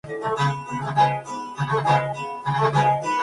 Es la esposa del cantante y compositor Ozzy Osbourne.